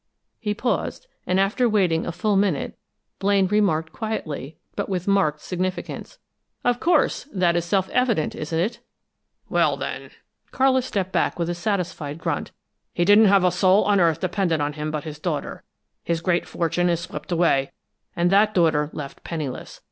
He paused, and after waiting a full minute, Blaine remarked, quietly, but with marked significance: "Of course. That is self evident, isn't it?" "Well, then " Carlis stepped back with a satisfied grunt. "He didn't have a soul on earth dependent on him but his daughter. His great fortune is swept away, and that daughter left penniless.